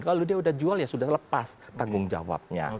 kalau dia sudah jual ya sudah lepas tanggung jawabnya